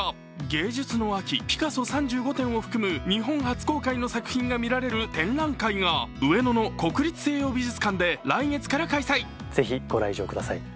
芸術の秋、ピカソ３５点を含む日本初公開の作品が見られる展覧会が上野の国立西洋美術館で来月から開催。